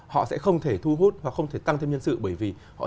họ sẽ không thể thu hút hoặc không thể tăng thêm nhân sự bởi vì họ